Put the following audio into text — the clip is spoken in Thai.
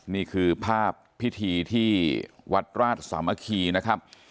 นี่คือภาพพิธีที่วัดราชสามัคคีนะครับ